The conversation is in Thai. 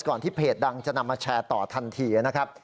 ที่เพจดังจะนำมาแชร์ต่อทันทีนะครับ